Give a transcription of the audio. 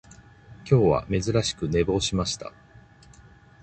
今日は珍しく寝坊しました